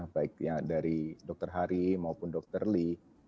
baiknya dari dokter hari maupun dokter lee